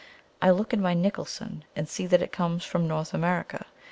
I look in my "Nicholson," and see that it comes from North America.